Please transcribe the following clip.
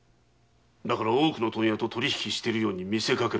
だから多くの問屋と取り引きしているように見せかけるためだ。